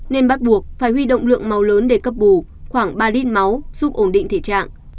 nên bắt buộc phải huy động lượng máu lớn để cấp bù khoảng ba lít máu giúp ổn định thể trạng